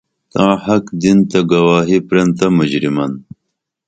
تاں حق دین تہ گواہی پرین تہ مُجریمن